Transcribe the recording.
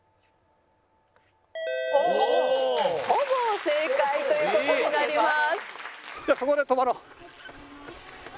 ほぼ正解という事になります。